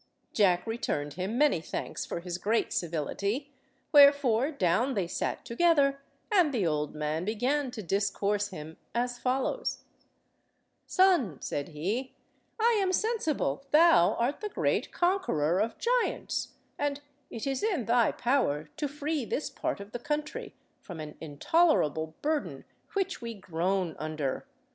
Jack returned him many thanks for his great civility, wherefore down they sat together, and the old man began to discourse him as follows— "Son," said he, "I am sensible thou art the great conqueror of giants, and it is in thy power to free this part of the country from an intolerable burden which we groan under.